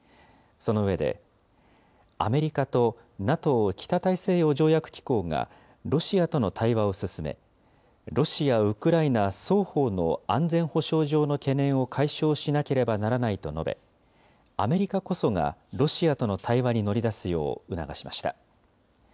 その上で、アメリカとＮＡＴＯ・北大西洋条約機構がロシアとの対話を進め、ロシア、ウクライナ双方の安全保障上の懸念を解消しなければならないと述べ、アメリカこそがロシアとの対話に乗り出すよう促しました。